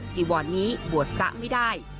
จีวอนนี้บวชพระไม่ได้